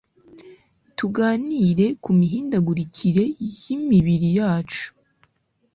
tuganire ku mihindagurikire y'imibiri yacu